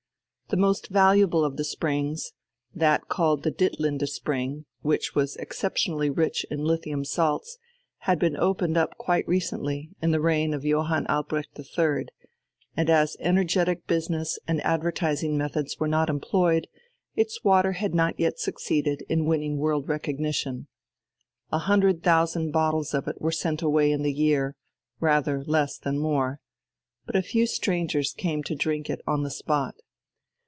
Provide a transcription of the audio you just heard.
The most valuable of the springs, that called the Ditlinde spring, which was exceptionally rich in lithium salts, had been opened up quite recently, in the reign of Johann Albrecht III, and as energetic business and advertising methods were not employed, its water had not yet succeeded in winning world recognition. A hundred thousand bottles of it were sent away in the year rather less than more. And but few strangers came to drink it on the spot....